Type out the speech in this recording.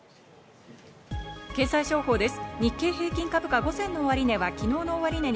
経済情報です。